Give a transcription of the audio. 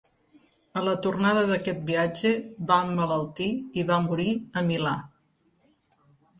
A la tornada d'aquest viatge va emmalaltir i va morir a Milà.